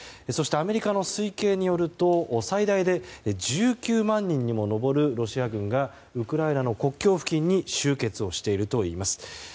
そしてアメリカの推計によると最大で１９万人にも上るロシア軍がウクライナの国境付近に集結をしているといいます。